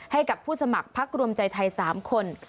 ให้กับผู้สมัครพักรวมใจไทย๓คน